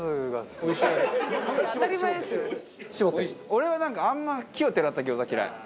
俺はなんかあんま奇をてらった餃子は嫌い。